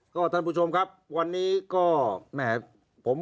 ก็ท่านผู้ชมครับวันนี้ก็แหม